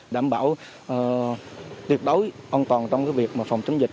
đảm bảo tuyệt đối an toàn trong việc phòng chống dịch